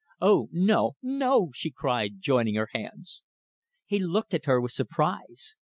"Oh, no! No!" she cried, joining her hands. He looked at her with surprise.